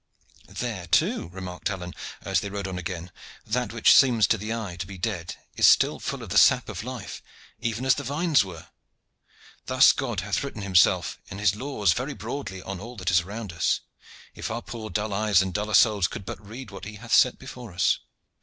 "There too," remarked Alleyne, as they rode on again, "that which seems to the eye to be dead is still full of the sap of life, even as the vines were. Thus God hath written Himself and His laws very broadly on all that is around us, if our poor dull eyes and duller souls could but read what He hath set before us."